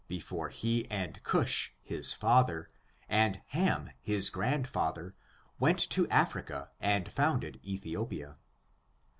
69 before he and Ctish^ his father, and Ham, his grand father, went to Africa and founded Ethiopia.